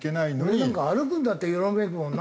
俺なんか歩くのだってよろめくもんな。